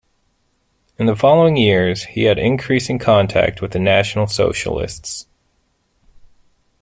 In the following years he had increasing contact with the National Socialists.